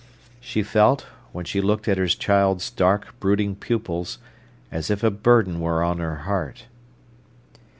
She felt, when she looked at her child's dark, brooding pupils, as if a burden were on her heart.